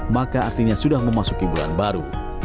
maka artinya sudah memasuki bulan baru